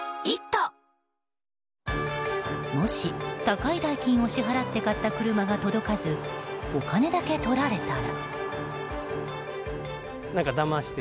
もし高い代金を支払って買った車が届かずお金だけ取られたら。